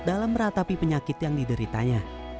dalam meratapi penyakit yang dideritanya